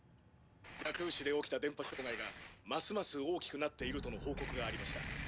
蛇腔市で起きた電波障害が増々大きくなっているとの報告がありました。